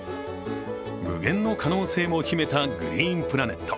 無限の可能性も秘めたグリーンプラネット。